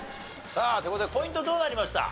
さあという事でポイントどうなりました？